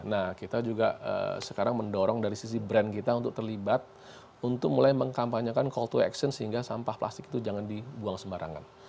nah kita juga sekarang mendorong dari sisi brand kita untuk terlibat untuk mulai mengkampanyekan call to action sehingga sampah plastik itu jangan dibuang sembarangan